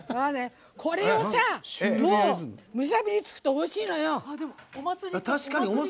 これをさむしゃぶりつくとおいしいのよ。